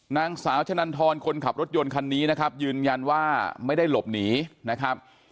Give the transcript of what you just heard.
นางสาวชะนันทรคนขับรถยนต์คันนี้นะครับยืนยันว่าไม่ได้หลบหนีนะครับ